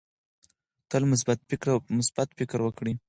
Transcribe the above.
تل مثبت فکر وکړئ.